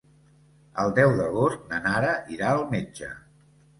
El deu d'agost na Nara irà al metge.